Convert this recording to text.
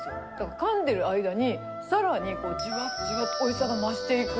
かんでる間に、さらにじわっ、じわっ、おいしさが増していく。